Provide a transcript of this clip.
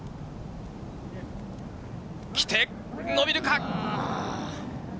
来て、伸びるか？